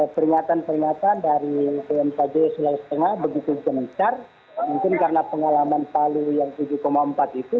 peringatan peringatan dari bmkg sulawesi tengah begitu gencar mungkin karena pengalaman palu yang tujuh empat itu